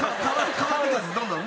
変わっていくんですどんどん。